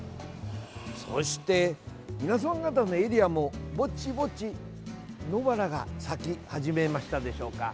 そして、皆さん方のエリアもぼちぼち野ばらが咲き始めましたでしょうか。